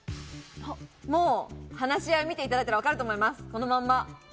もう話し合いを見ていただいたらわかると思います。